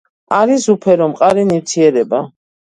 არის უფერო, მყარი ნივთიერება.